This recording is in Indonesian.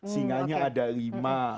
singanya ada lima